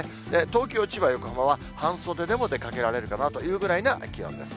東京、千葉、横浜は半袖でも出かけられるかなというぐらいの気温です。